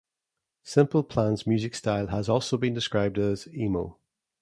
Simple Plan's music style has also been described as: "emo".